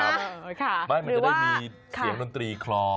มันจะได้มีเสียงดนตรีคลอ